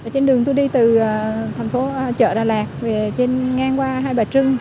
trên đường tôi đi từ thành phố chợ đà lạt về trên ngang qua hai bà trưng